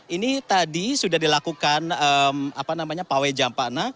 ini tadi sudah dilakukan pawai jampakna